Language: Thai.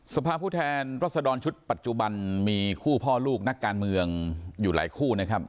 สภาพผู้แทนรัศดรชุดปัจจุบันมีคู่พ่อลูกนักการเมืองอยู่หลายคู่นะครับ